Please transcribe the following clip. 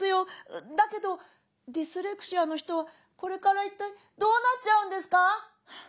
だけどディスレクシアの人はこれから一体どうなっちゃうんですか？」。